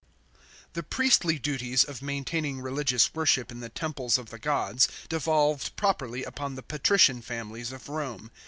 The priestly duties of maintaining religious worship in tht temples of the gods devolved properly upon the patrician families of Rome.